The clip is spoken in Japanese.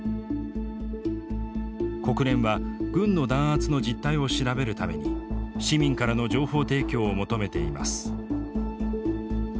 国連は軍の弾圧の実態を調べるために市民からの情報提供を求めています。